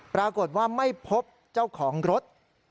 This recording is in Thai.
ปรากฏว่าไม่พบเจ้าของรถ